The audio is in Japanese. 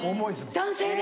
男性で？